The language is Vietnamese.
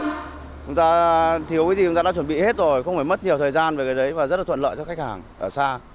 chúng ta thiếu cái gì chúng ta đã chuẩn bị hết rồi không phải mất nhiều thời gian về cái đấy và rất là thuận lợi cho khách hàng ở xa